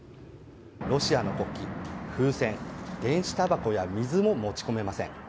ロシアの国旗、風船電子たばこや水も持ち込めません。